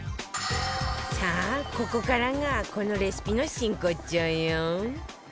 さあここからがこのレシピの真骨頂よ